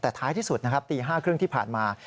แต่ท้ายที่สุดนะครับตี๕๓๐ที่ผ่านมา